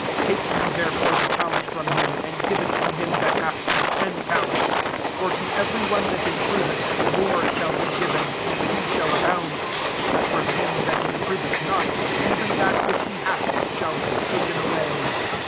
S8 Take ye therefore the talent from him> and give ii to him that hath the ten tal ents. 29 For to every one that improveth, more shall be given, and be shall abound : but from him that improveth not, even that which he hath shall be ta : ken away.